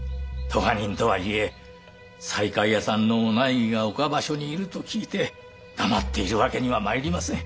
咎人とはいえ西海屋さんのお内儀が岡場所にいると聞いて黙っている訳にはまいりません。